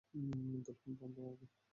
দুলহান, পান দাও আমাকে।